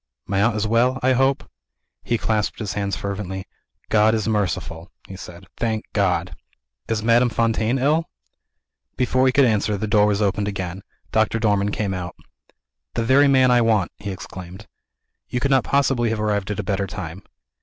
"My aunt is well, I hope?" He clasped his hands fervently. "God is merciful," he said. "Thank God!" "Is Madame Fontaine ill?" Before he could answer, the door was opened again. Doctor Dormann came out. "The very man I want!" he exclaimed. "You could not possibly have arrived at a better time."